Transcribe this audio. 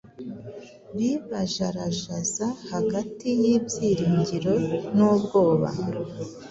bibajarajaza hagati y’ibyiringiro n’ubwoba …"